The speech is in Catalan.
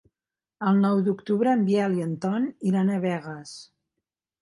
El nou d'octubre en Biel i en Ton iran a Begues.